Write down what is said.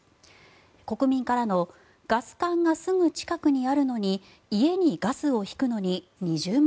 国民からのガス管がすぐ近くにあるのに家にガスを引くのに２０万